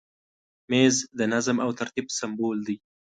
مېز د نظم او ترتیب سمبول دی.